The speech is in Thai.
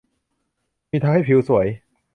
จึงทำให้ผิวสวย